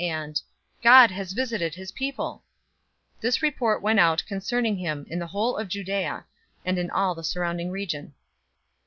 and, "God has visited his people!" 007:017 This report went out concerning him in the whole of Judea, and in all the surrounding region.